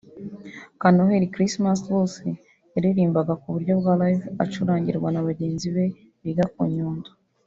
Kanoheri Christmas Ruth yaririmbaga ku buryo bwa Live acurangirwa na bagenzi be biga ku Nyundo